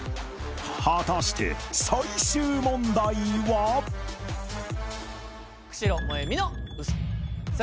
果たして最終問題は？さあ。